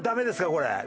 これ。